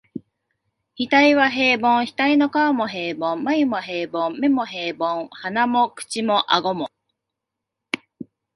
額は平凡、額の皺も平凡、眉も平凡、眼も平凡、鼻も口も顎も、